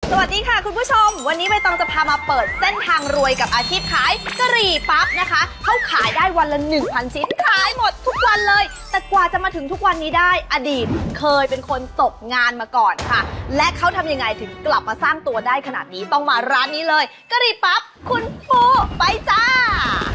สวัสดีค่ะคุณผู้ชมวันนี้ใบตองจะพามาเปิดเส้นทางรวยกับอาชีพขายกะหรี่ปั๊บนะคะเขาขายได้วันละหนึ่งพันชิ้นขายหมดทุกวันเลยแต่กว่าจะมาถึงทุกวันนี้ได้อดีตเคยเป็นคนตกงานมาก่อนค่ะและเขาทำยังไงถึงกลับมาสร้างตัวได้ขนาดนี้ต้องมาร้านนี้เลยกะหรี่ปั๊บคุณปูไปจ้า